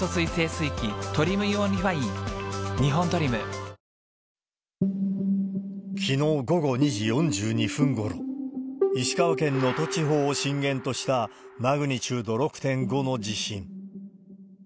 ポリグリップきのう午後２時４２分ごろ、石川県能登地方を震源としたマグニチュード６．５の地震。